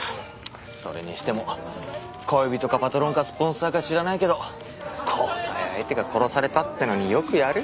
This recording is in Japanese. それにしても恋人かパトロンかスポンサーか知らないけど交際相手が殺されたっていうのによくやるよ。